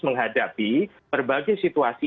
menghadapi berbagai situasi